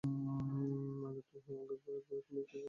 আগের বার তুমি একটি চিঠি নিয়ে এসেছিলে।